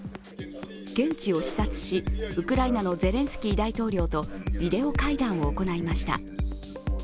現地を視察し、ウクライナのゼレンスキー大統領とビデオ会談を行いました。